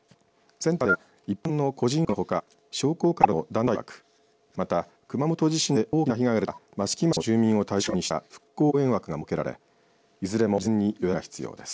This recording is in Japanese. センターでは一般の個人枠のほか商工会などの団体枠また熊本地震で大きな被害が出た益城町の住民を対象にした復興応援枠が設けられいずれも事前に予約が必要です。